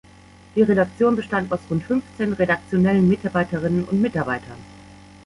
Die Redaktion bestand aus rund fünfzehn redaktionellen Mitarbeiterinnen und Mitarbeitern.